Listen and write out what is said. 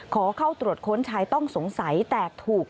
ขอเข้าตรวจค้นชายต้องสงสัยแต่ถูก